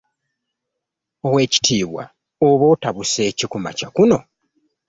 Oweekitiibwa oba atabuse ki kumakya kuno?